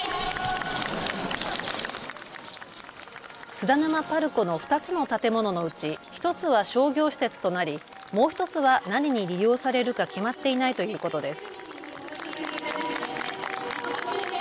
津田沼パルコの２つの建物のうち１つは商業施設となりもう１つは何に利用されるか決まっていないということです。